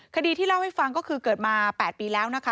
คดีที่เล่าให้ฟังก็คือเกิดมา๘ปีแล้วนะคะ